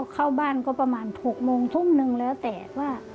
เข้าบ้านก็ประมาณ๖โมงทุ่มนึงแล้วแต่ว่า